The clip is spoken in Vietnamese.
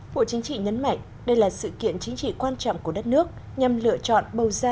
bộ chính trị nhấn mạnh đây là sự kiện chính trị quan trọng của đất nước nhằm lựa chọn bầu ra